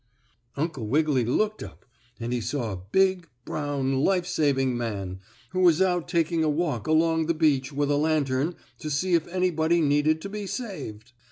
Uncle Wiggily looked up and he saw a big, brown, life saving man, who was out taking a walk along the beach with a lantern to see if anybody needed to be saved.